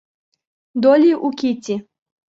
Долли у Кити.